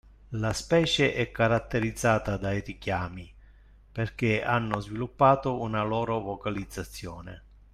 La specie è caratterizzata dai richiami, perché hanno sviluppato una loro vocalizzazione.